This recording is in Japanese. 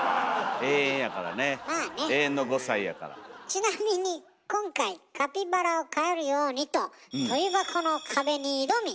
ちなみに今回カピバラを飼えるようにととび箱の壁に挑み